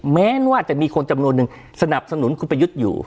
แม้ว่าจะมีคนจำนวนหนึ่งสนับสนุนคุณประยุทธ์อยู่